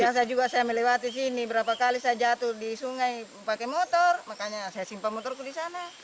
biasa juga saya melewati sini berapa kali saya jatuh di sungai pakai motor makanya saya simpang motorku di sana